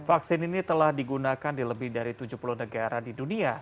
vaksin ini telah digunakan di lebih dari tujuh puluh negara di dunia